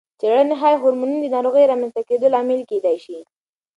څېړنې ښيي، هورمونونه د ناروغۍ رامنځته کېدو لامل کېدای شي.